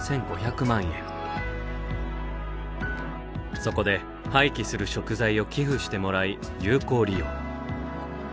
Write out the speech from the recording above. そこで廃棄する食材を寄付してもらい有効利用。